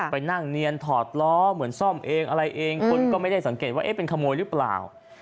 ไปนั่งเนียนถอดล้อเหมือนซ่อมเองอะไรเองคนก็ไม่ได้สังเกตว่าเป็นขโมยหรือเปล่า